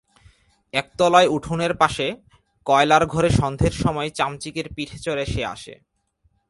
একতলায় উঠোনের পাশে কয়লার ঘরে সন্ধের সময় চামচিকের পিঠে চড়ে সে আসে।